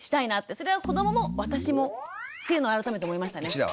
それは子どもも私もっていうのは改めて思いましたね。